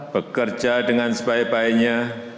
bekerja dengan sebaik baiknya